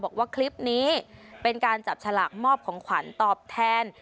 บอกว่าคลิปนี้เป็นการจับฉลากมอบของขวัญตอบแทน